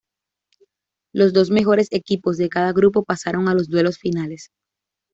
Los dos mejores equipos de cada grupo pasaron a los duelos finales.